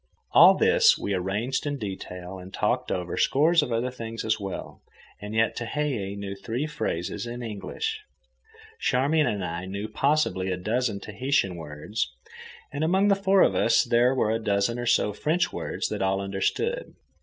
All this we arranged in detail, and talked over scores of other things as well, and yet Tehei knew three phrases in English, Charmian and I knew possibly a dozen Tahitian words, and among the four of us there were a dozen or so French words that all understood.